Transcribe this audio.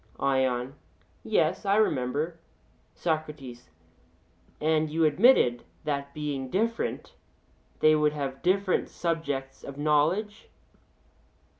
ION: Yes, I remember. SOCRATES: And you admitted that being different they would have different subjects of knowledge?